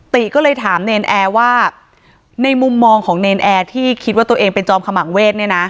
ติก็เลยถามเนรนแอร์ว่าในมุมมองของเนรนแอร์ที่คิดว่าตัวเองเป็นจอมขมังเวทเนี่ยนะ